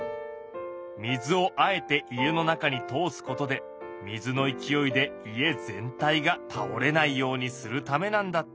水をあえて家の中に通すことで水の勢いで家全体がたおれないようにするためなんだって。